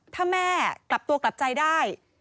ถ้าแม่กลับตัวกลับใจได้